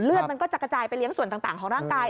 มันก็จะกระจายไปเลี้ยงส่วนต่างของร่างกาย